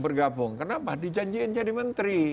bergabung kenapa dijanjikan jadi menteri